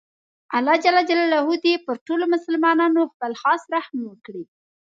الله ﷻ دې پر ټولو مسلماناتو خپل خاص رحم وکړي